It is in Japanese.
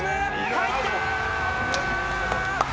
入った！